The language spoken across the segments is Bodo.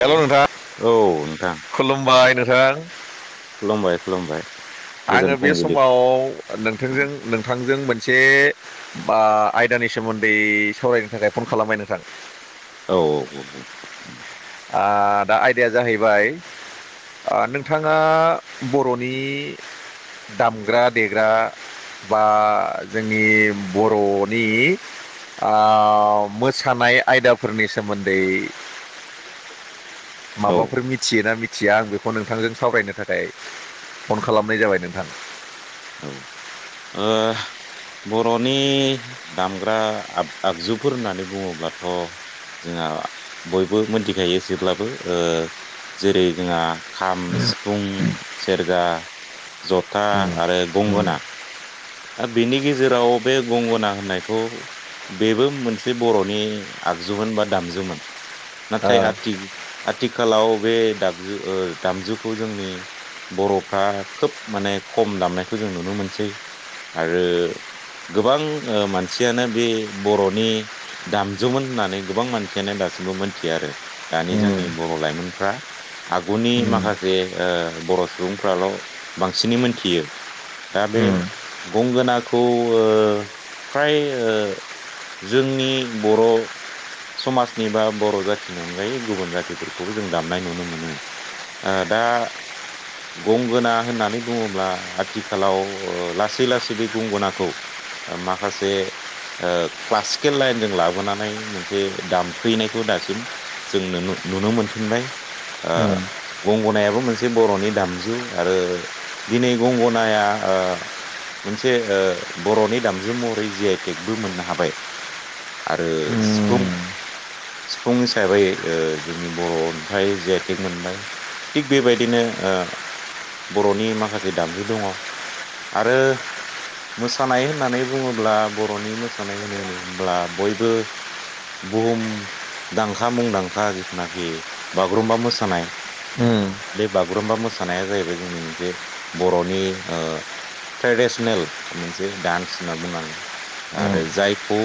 औ हेल' नोंथां औ नोंथां खुलुमबाय नोंथां। खुलुमबाय खुलुमबाय। आङो गोजोन बे फुंबिलि समाव औ नोंथजों नोंथांजों मोनसे बा आयदानि सोमोन्दै सावरायनो थाखाय फन खालामबाय नोंथां। औ औ औ दा आयदाया जाहैबाय। नोंथाङा बर'नि दामग्रा देग्रा बा जोंनि बर'नि मोसानाय आयदाफोरनि सोमोन्दै औ माबाफोर मिथियोना? मिथिया आं बेखौ नोंथांजों सावरायनो थाखाय फन खालामनाय जाबाय नोंथां। औ आ बर'नि दामग्रा आब-आगजुफोर होननानै बुङोब्लाथ' जोंहा बयबो मोनथिखायो एसेब्लाबो ओ जेरै जोंहा खाम सिफुं सेरजा जथा आरो उम, उम, गंगना आरो बेनि गेजेराव बे गंगना होननायखौ बेबो मोनसे बर'नि आगजुमोन बा दामजुोन आ, नाथाय आथि आथिखालाव बे दामजु ओ दामजुखौ जोंनि बर'फ्रा खोब माने खम दामनायखौ जों नुनो मोनसै आरो। गोबां अ मानसियानो बे बर'नि दामजुमोन होननानै गोबां मानसियानो दा सिमबो मोनथिया आरो दानि उम, जोंनि बर' लाइमोनफ्रा आगुनि उम। माखासे अ बर' सुबुंफ्राल' बांसिनै मोनथियो। दा बे गंगनाखौ ओ फ्राय ओ जोंनि बर' समाजनि बा बर' जाथिनि अनगायै गुबुन जातिफोरखौ जों दामनाय नुनो मोनो। आ दा गंगना होननानै बुङोब्ला। आथिखालाव ओ लासै लासै बे गंगनाखौ माखासे अ क्लासिकेल लाइनजों लाबोनानै मोनसे दामफैनायखौ दासिम जों नुनो नुनो मोनफिनबाय ओ गंगनायाबो मोनसे बर'नि दामजु आरो दिनै गंगनाया मोनसे अ बर'नि दामजु महरै जि आइटेकबो मोननो हाबाय। आरो सिफुं सिफुं हिसाबै ओ जोंनि बर' ओफ्राय जे आइटेक मोनबाय थिग बेबायदिनो अ बर'नि माखासे दामजु दङ आरो मोसानाय होननानै बुङोब्ला बर'नि मोसानाय होनो- होनोमब्ला बयबो बुहुमदांखा मुंदांखा जिथुनाखि बागुरुम्बा मोसानाय बे बागुरुम्बा मोसानाया जाहैबाय जोंनि मोनसे बर'नि ओ ट्रेडिसनेल मोनसे डान्स होनना बुंनांगोन आरो जायखौ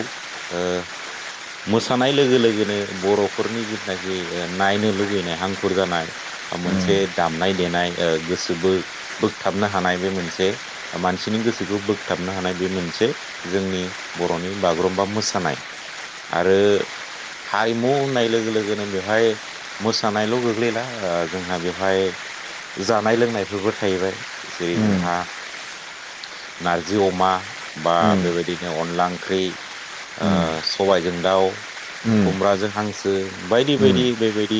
ओ मोसानाय लोगो लोगोनो बर'फोरनि जिथनाखि अ नायनो लुुबैनाय हांखुर जानाय मोनसे दामनाय देनाय ओ गोसोबो बोग थाबनो हानाय बे मोनसे मानसिनि गोसोखौ बोगथाबनो हानाय बे मोनसे जोंनि बर' नि बागुरुम्बा मोसानाय आरो हारिमु होननाय लोगो लोगोनो बेवहाय मोसानायल' गोग्लैला ओ जोंहा बेवहाय जानाय लोंनायफोरबो थाहैबाय जेरै जोंहा नारजि अमा बा आदसा बेबायदिनो अनला ओंख्रि ओ सबायजों दाउ खुमब्राजों हांसो बायदि-बायदि बेबायदि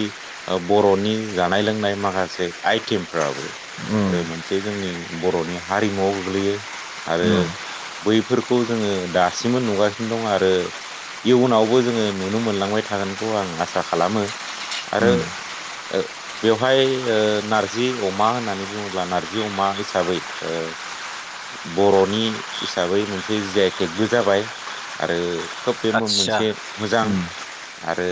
बर'नि जानाय लोंनाय माखा से आइटेमफ्राबो उम एसे जोंनि बर'नि हारिमुआव गोग्लैयो आरो। बैफोरखौ जोङो दासिमबो नुगासिनो दं आरो। इयुनावबो जोङो नुनो मोनलांबाय थागोनखौ आं आसा खालामो आरो ओ बेवहाय ओ नार्जि अमा होननानै बुङोब्ला नार जि अमा हिसाबै ओ बर'नि हिसाबै मोनसे जि आइटेकबो जाबाय आरो। खोब बे मो-मोनसे मोजां आरो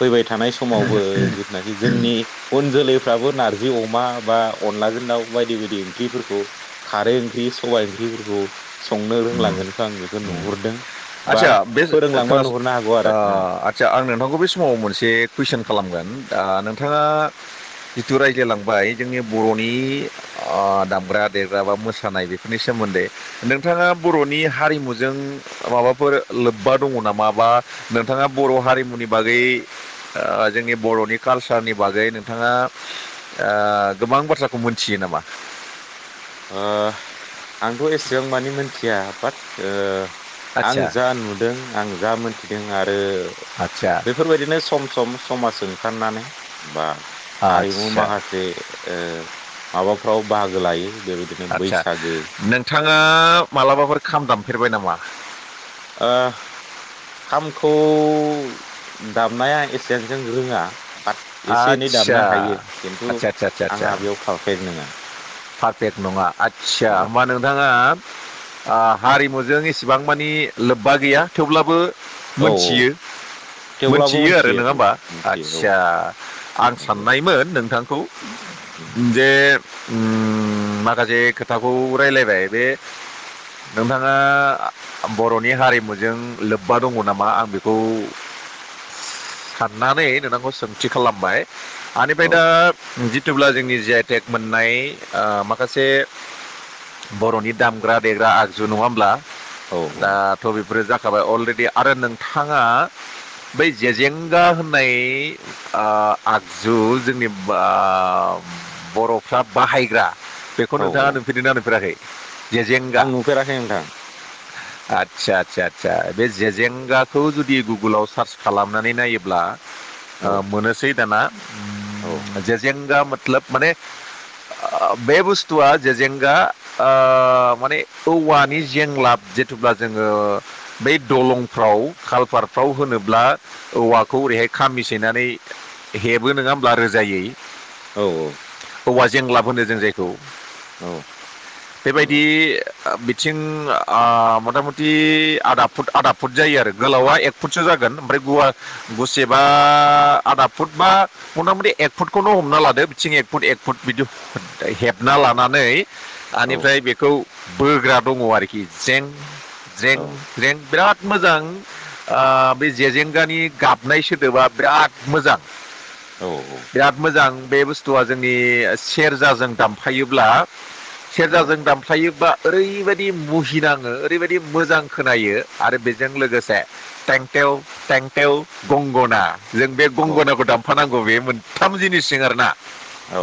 फैबाय थानाय स मावबो जिनाखि जोंनि उन जोलैफ्राबो नारजि अमा बा अनलाजों दाव बायदि बायदि ओंख्रिफोरखौ खारै ओंख्रि सबाइ ओंख्रिफोरखौ संनो रोंलाङो। नोंथां आं बेखौ नुहरदों आचसा बे खोनास ओ आरो औ आचसा आं नोंथांखौ बे समाव मोनसे कुइसन खालामगोन दा ओ नोंथाङा जिथु रायज्लायलांबाय जोंनि बर'नि ओ दामग्रा देग्रा बा मोसानाय बेफोरनि सोमोन दै नोंथाङा बर'नि हारिमुजों माबा फोर लोब्बा दङ नामा बा नोंथाङा बर' हारिमुनि बागै ओ जोंनि बर'नि कालसारनि बागै नोंथाङा ओ गोबां बाथ्राखौ मोनथियो नामा? ओ आंथ' एसेबां मानि मोनथिया बाट ओ आं आदसा जा नुदों आं जा मोनथिदों आरो आदसा बेफोरबायदिनो सम सम समाजजों ओंखारनानै बा हारिमु आदसा माखासे ओ माबाफ्राव बाहागो लायो बेबायदिनो आदसा बैसागो नोंथाङा मालाबाफोर खाम दामफेरबाय नामा? ओ खामखौ दामनाया एसांजों रोङा बाट एसे एनै आदसा दामनो हायो खिन्थु आदसा आदसा आदसा आदसा आंहा बेयाव पारफेक्ट नङा पारफेक्ट नङा आस्सा औ होमबा नोंथाङा ओ हारिमुजों एसेबां मानि लोब्बा गैया थेवब्लाबो औ मोनथियो थेवब्लाबो मोनथियो आरो मिथियो नोङा औ होमबा मिथियो आदसा औ आं माबाया साननायमोन नोंथां औ जे उम माखासे खोथाखौ रायलायबाय बे नोंथाङा बर'नि हारिमुजों लोब्बा दङ नामा आं बेखौ साननानै नोंथांखौ सोंथि खालामबाय आनिफ्राय दा जिथुब्ला जोंनि जि आइ टेक मोन नाय ओ माखासे बर'नि दामग्रा देग्रा आगजु नङा होमब्ला औ दाथ' बेफोरो जाखाबाय अलरेडि आरो नोंथाङा बै जेजेंगा होननाय ओ आगजु जेनेबा बर'फ्रा बाहायग्रा बेखौ औ नोंथाङा औ नुफेरदोंना नुफेराखै? जेजेंगा आं नुफेराखै नोंथां।। आदसा आदसा आदसा बे जेजेंगाखौ जुदि गुगोलाव सार्च खालामनानै नायोब्ला औ ओ मोनोसै दाना औ जेजेंगा मोतलोब माने ओ बे बुस्थुआ जेेजेंगा ओ माने औवानि जेंलाब जेथुब्ला जोङो बै दलंफ्राव खालपारफ्राव होनोब्ला औवाखौ खामि सैनानै हेबो नङा होमब्ला रोजायै औ औ औवा जेंलाब होनो जों जायखौ औ बेबायदि नंगौ बिथिं आ मथा मथि आदा फुट आदा फुट जायो आरो गोलावा एक फुटसो जा गोन आमफ्राय गुवार गुसेबा आदा फुट बा मथा मथि एक फुटखौनो हमना ला दो बिथिं एक फुट एक फुट बिदि हेबना लानानै आनिफ्राय बेखौ बोग्रा दङ आरोखि ज्रें औ ज्रें ज्रें बिराद मोजां ओ बे जेजेंगानि गाबनाय सोदोबा बिराद मोजां औ बिराद मोजां बे बुस थुआ जोंनि सेरजाजों दामफायोब्ला औ सेरजाजों दामफायोबा ओरैबायदि मुहिनाङो ओरैबायदि मोजां खोनायो आरो बेजों लोगोसे टेंथे टेव टें टेव गंगोना जों बे औ गंगोनाखौ दामफानांगौ बे मोनथाम जिनिसजों आरोना औ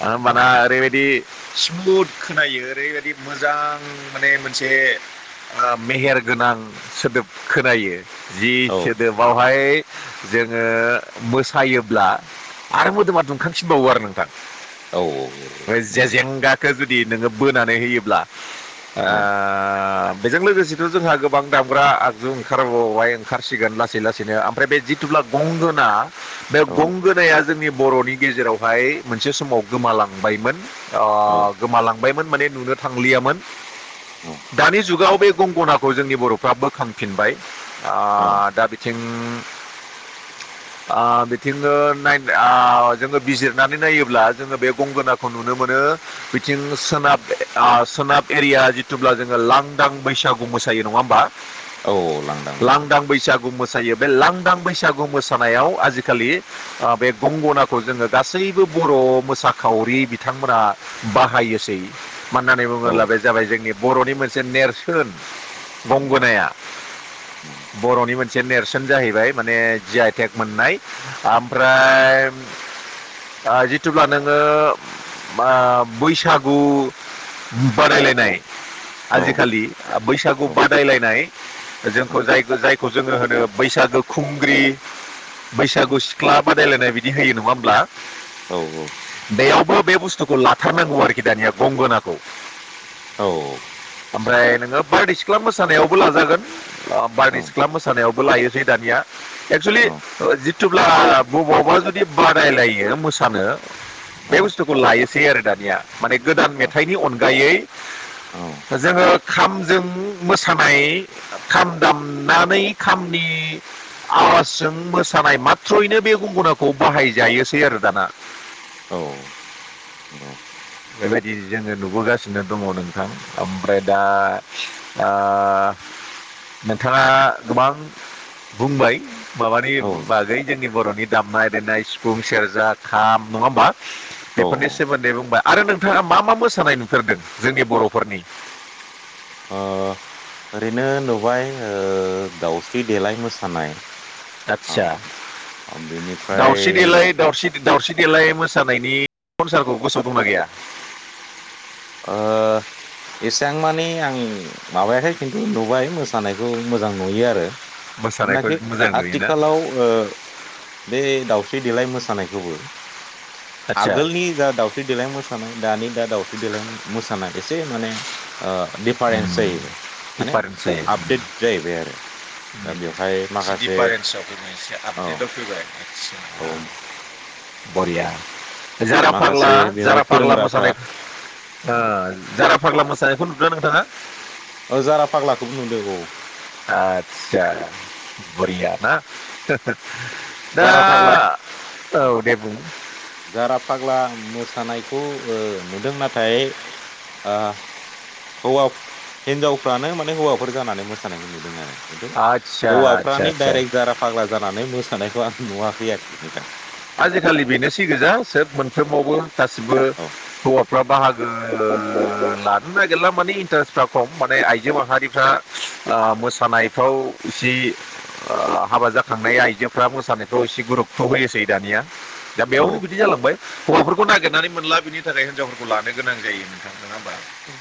होमबाना ओरैबायदि स्मुथ खोनायो ओरैबायदि मोजां माने मोनसे ओ मेहेर गोनां सोदोब खोनायो। जि सोदोबावहाय जोङो मोसायोब्ला आरो मोदोमा दुंखांफिनबावो आरो नोंथां ओ जेजेंगाखौ जुद दि नोंङो बोनानै होयोब्ला ओ बेजों लोगोसेथ' जोंहा गोबां दामग्रा आगजु ओंखारबावबाय ओंखारसिगोन लासै लासैनो ओमफ्राय बे जिथुब्ला गंगोना बे गंगोनाया जोंनि बर'नि गेजेरावहाय मोनसे समाव गोमालांबायमोन। अ औ गोमालांबायमोन माने नुनो थांलियामोन औ दानि जुगाव बे गंगनाखौ जोंनि बर'फ्रा बोखांफिनबाय औ आ दा बिथिं अ ओ बिथिंबो नाय आ जोंङो बिजिरनानै नायोब्ला जोंङो बे गंगोनाखौ नुनो मोनो बिथिं सोनाब ओ सोनाब एरिया जिथुब्ला जोंङो लांदां बैसागु मोसायो नङा होमबा? लांदां बैसागु मोसा मोसायो बे लांदां बैसागु मोसानायाव आजिखालि ओ बे गंगनाखौ जोंङो गासैबो बर' मोसाखावरि बिथांमोनहा बाहायोसै। मा होननानै बुंङोब्ला औ बे जाबाय जोंनि बर'नि मोनसे नेरसोन। नंगौ गंगोनाया औ बर'नि मोन मोनसे नेरसोन जाहैबाय माने जि आइ टेक मोननाय ओमफ्राय जिथुब्ला नोंङो बैसागु बादायलायनाय औ आजिखालि बैसागु औ बादायलायनाय जोंखौ औ जाय जाय खौ जोंङो होनो बैसागो खुंग्रि बैसागु सिख्ला बादायलायनाय बि बिदि होयो नङा होमब्ला? औ औ। बैयावबो बे बुस्थुखौ लाथारनांगौ आरोखि दानिया गंगोनाखौ। आदसा ओमफ्राय नोंङो बारदै सिख्ला मोसानायावबो लाजागोन। औ बारदै सिख्ला मोसानायावबो लायोसै दानिया एक्सुवेलि औ ओ जि जिथुब्ला बबावबा जुदि बादायलायो मोसानो औ बे बुस्थुखौ लायो। सै आरो दानिया माने गोदान मेथाइनि अनगायै औ नंगौ जोङो खामजों मोसानाय खाम दामनानै खामनि आवाजजों मोसानाय माथ्र'यैनो बे गंगनाखौ बाहायजायोसै आरो दाना। औ नंगौ। बेबायदि जोंङो नुबोगासिनो दंङ नोंथां ओमफ्राय दा आ नोंथाङा गोबां बुंबाय माबानि औ बागै जोंनि बर'नि दामनाय देनाय सिफुं सेरजा खाम नङा होमबा? औ ओ बेफोरनि सोमोन्दै बुंबा आरो नोंथाङा मा मा मोसानाय नुफेरदों जोंनि बर'फोरनि ओरैनो नुबाय ओ दाउस्रि देलाय मोसानाय। औ आतसा बेनिफ्राय दाावस्रि देलाय दावस्रि दावस्रि देलाय मोसानायनि संसारखौ गोसोआव दंना गैया? ओ एसेबां मानि आं माबायाखै खिन्थु नुबाय मोसानायखौ मोजां नुयो आरो। मोसानायखौ जिनाखि मोजां नुयोना आथिखालाव ओ बे दाउ दावस्रि देलाय मोसानायखौबो आदसा आगोलनि जा दावस्रि देलाय मोसानाय दानि दा दाउस स्रि देलाय मोसानाय एसे माने ओ दिडिफारेन्स जाहैबाय माने आपडेट जाहैबाय आरो। दा बेवहाय एसे माखासे दिफारेन्सआव फैबाय एसे औ आपडेटआव फैबाय। औ। बरिया। जारा फाग्ला माखासे बेवहाय जारा फाग्ला मोसानाय फोरोंग्राफ्रा ओ औ जारा फाग्ला मोसानायखौनो नोंथाङा औ जारा फाग्लाखौबो नुदों औ। नोंथां। आतसा बरिया ना? दा जारा फाग्ला औ दे बुं जारा फाग्ला मोसानायखौ ओ नुदों नाथाय ओ हौवा हिनजावफ्रानो माने हौवाफोर जानानै मोसानायखौ नुदों आङो। खिन्थु आदसा आदसा हौवाफ्रानो आदसा दडाइरेक्ट जारा फाग्ला जानानै मोसानायखौ आं नुवाखै आरोखि नोंथां। आजिखालि बेनोसै गोजा सोब मोनफ्रोमावबो गासिबो औ हौवा [unintelligible] बाहागो लानो नागिरला, माने इन्टारेस्टफ्रा खम माने आइजो माहारिफ्रा ओ मोसानायफ्राव जि ओ हाबा जाखांनाय आइजोफ्रा मोसानायखौ एसे गुरुतथ' होयोसै। दानिया दा बेयावनो औ बिदि जालांबाय। हौवाफोरखौ नागिरनानै मोनला बिनि थाखाय हिनजावफोरखौ लानो गोनां जायो नोंथां नङा होमबा? औ।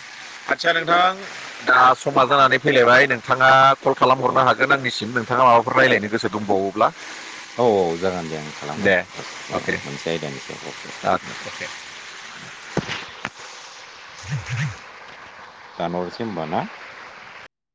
आच्चसा नोंथां दा समा जानानै फैलायबाय नोंथाङा कल खालाम हरनो हागोन आंनिसिम नोंथाङा माबाफोर रायजलायनो गोसो दंबावोब्ला। औ औ जागोन दे आं खालामगोन दे [unintelligible] औ मोनसे आयदानि सायाव अके दे। [unintelligible] दानहरसै होमबा ना?